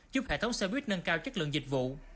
giúp hệ thống xe buýt nâng cao chất lượng dịch vụ